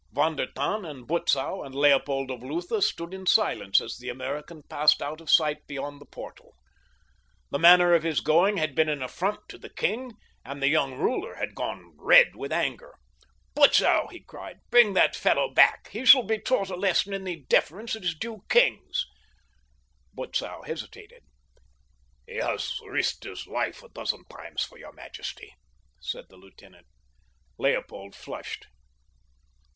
Von der Tann and Butzow and Leopold of Lutha stood in silence as the American passed out of sight beyond the portal. The manner of his going had been an affront to the king, and the young ruler had gone red with anger. "Butzow," he cried, "bring the fellow back; he shall be taught a lesson in the deference that is due kings." Butzow hesitated. "He has risked his life a dozen times for your majesty," said the lieutenant. Leopold flushed.